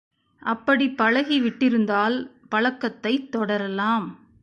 அப்படிப் பழகிவிட்டிருந்தால், பழக்கத்தைத் தொடரலாம்.